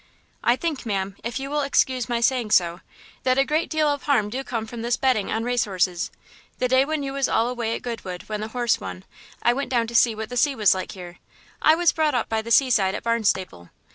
"I think, ma'am, if you will excuse my saying so, that a great deal of harm do come from this betting on race horses. The day when you was all away at Goodwood when the horse won, I went down to see what the sea was like here. I was brought up by the seaside at Barnstaple.